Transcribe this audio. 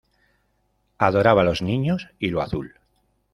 Adoraba los niños y lo azul.